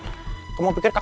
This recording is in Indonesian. kamu di telpon gak diangkat